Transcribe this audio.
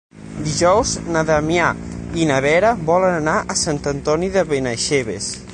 Dijous na Damià i na Vera volen anar a Sant Antoni de Benaixeve.